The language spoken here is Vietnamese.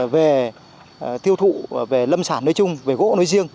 về tiêu thụ về lâm sản nơi chung về gỗ nói riêng